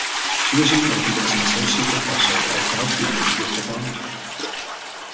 She was appointed as an associate professor at Delft University of Technology.